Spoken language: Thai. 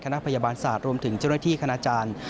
คณะพยาบาลศาสตร์รวมถึงเจ้าหน้าที่คณาจารย์